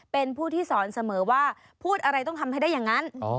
เป็นผู้ที่สอนเสมอว่าพูดอะไรต้องทำให้ได้อย่างนั้น